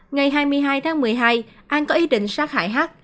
ngày hai mươi hai tháng một mươi hai an có ý định sát hại h